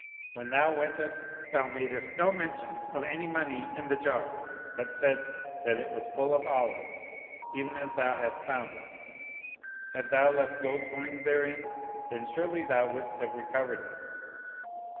When thou wentest thou madest no mention of any money in the jar, but saidst that it was full of olives, even as thou hast found it. Hadst thou left gold coins therein, then surely thou wouldst have recovered them."